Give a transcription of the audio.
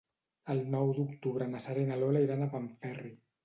El nou d'octubre na Sara i na Lola iran a Benferri.